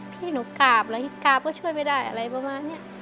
พี่หนูกราบแล้วกราบก็ช่วยไม่ได้อะไรประมาณนี้